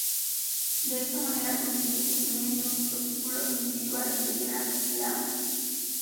De esa manera consiguió su primer y único título individual de Grand Slam.